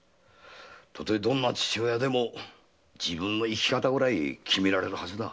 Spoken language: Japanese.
たとえどんな父親でも自分の生き方ぐらい決められるはずだ。